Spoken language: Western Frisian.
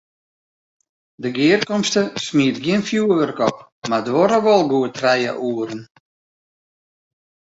De gearkomste smiet gjin fjoerwurk op, mar duorre wol goed trije oeren.